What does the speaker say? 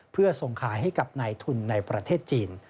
เพื่อส่งขายให้กับนายทุนในประเทศจีน